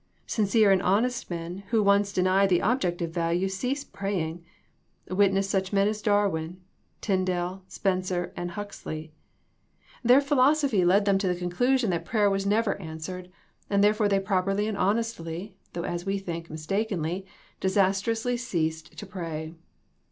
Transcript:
Sincere and honest men who once deny the objective value cease praying, witness such men as Darwin, Tyndal, Spencer and Huxley. Their philosophy THE POSSIBILITY OF PEAYER 21 led them to the conclusion that prayer was never answered and therefore they properly and hon estly — though as we think — mistakenly and dis astrously ceased to pray.